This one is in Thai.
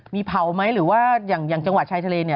มีเผาไหมหรือว่าอย่างจังหวัดชายทะเลเนี่ย